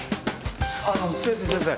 あの先生先生。